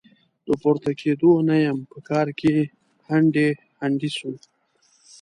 د پورته کېدو نه يم؛ په کار کې هنډي هنډي سوم.